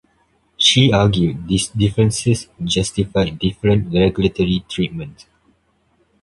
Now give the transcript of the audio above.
She argued these differences justified different regulatory treatment.